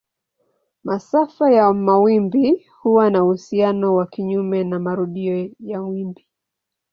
Masafa ya mawimbi huwa na uhusiano wa kinyume na marudio ya wimbi.